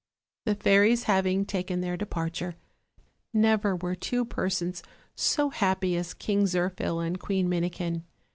The fairies having taken their departure, never were two persons so happy as King Zirphil and Queen Minikin.